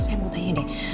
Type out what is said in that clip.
saya mau tanya deh